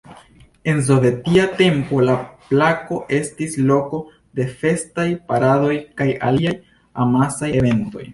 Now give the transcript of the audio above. En sovetia tempo la placo estis loko de festaj paradoj kaj aliaj amasaj eventoj.